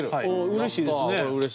うれしいですね。